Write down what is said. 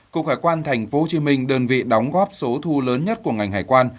cục hải quan tp hcm đơn vị đóng góp số thu lớn nhất của ngành hải quan